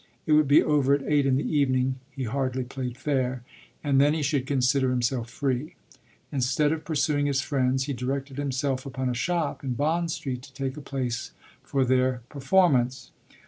It would be over at eight in the evening he hardly played fair and then he should consider himself free. Instead of pursuing his friends he directed himself upon a shop in Bond Street to take a place for their performance.